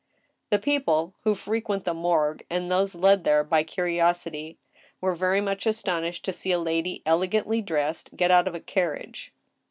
The people who frequent the morgue, and those led there by curiosity, were very much astonished to see a lady elegantly dressed get out of a carriage.